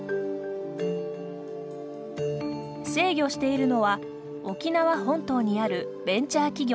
制御しているのは沖縄本島にあるベンチャー企業です。